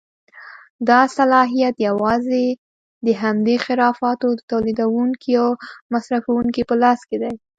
دا صلاحیت یوازې د همدې خرافاتو د تولیدوونکیو او مصرفوونکیو په لاس کې دی.